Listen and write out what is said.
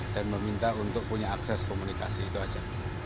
dan meminta untuk punya akses komunikasi itu saja